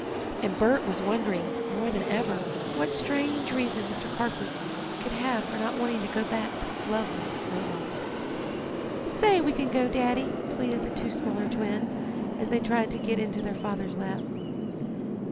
And Bert was wondering, more than ever, what strange reason Mr. Carford could have for not wanting to go back to lovely Snow Lodge. "Say we can go, Daddy!" pleaded the two smaller twins, as they tried to get into their father's lap.